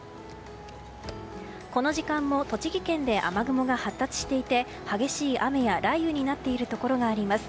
この時間も栃木県で雨雲が発達していて激しい雨や雷雨になっているところがあります。